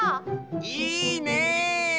いいね！